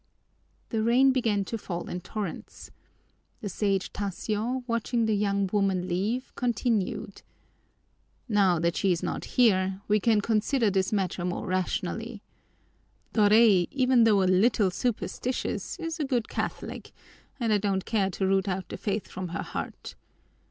The rain began to fall in torrents. The Sage Tasio, watching the young woman leave, continued: "Now that she is not here, we can consider this matter more rationally. Doray, even though a little superstitious, is a good Catholic, and I don't care to root out the faith from her heart.